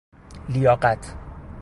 لیاقت